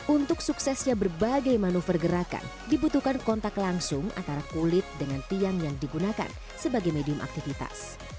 untuk suksesnya berbagai manuver gerakan dibutuhkan kontak langsung antara kulit dengan tiang yang digunakan sebagai medium aktivitas